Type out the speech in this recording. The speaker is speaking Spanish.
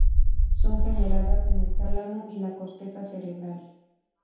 Son generadas en el tálamo y la corteza cerebral.